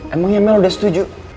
emangnya mel udah setuju